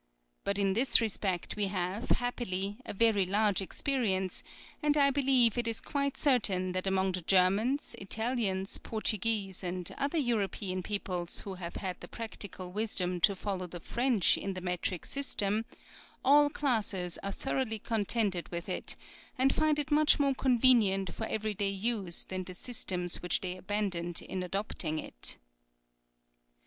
But in this respect we have, happily, a very large experience, and I be lieve it is quite certain that among the Ger mans, Italians, Portuguese, and other Eu ropean peoples who have had the practical wisdom to follow the French in the metric system, all classes are thoroughly contented with it, and find it much more convenient for every day use than the systems which they abandoned in adopting it.